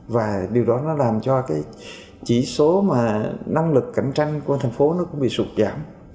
và điều đó nó làm cho cái chỉ số mà năng lực cạnh tranh của thành phố nó cũng bị sụt giảm